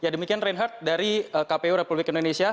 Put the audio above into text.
ya demikian reinhardt dari kpu republik indonesia